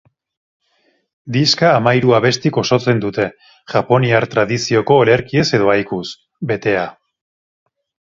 Diska hamairu abestik osotzen dute, japoniar tradizioko olerkiez edo haikuz, betea.